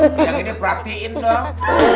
yang ini perhatiin dong